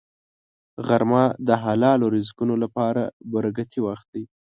غرمه د حلالو رزقونو لپاره برکتي وخت دی